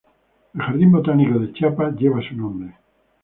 El Jardín Botánico de Chiapas lleva su nombre.